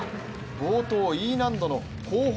冒頭、Ｅ難度の後方